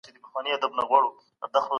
څنګه کولای سو سفیر د خپلو ګټو لپاره وکاروو؟